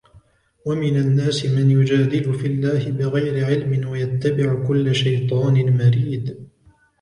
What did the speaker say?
ومن الناس من يجادل في الله بغير علم ويتبع كل شيطان مريد